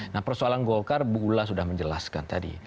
nah persoalan golkar bu ula sudah menjelaskan tadi